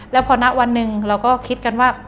แล้วพอณวันหนึ่งเราก็คิดกันว่า